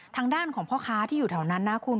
ทางด้านของพ่อค้าที่อยู่แถวนั้นนะคุณ